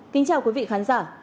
kính chào quý vị khán giả